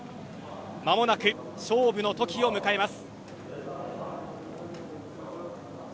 まもなく勝負の時を迎えます。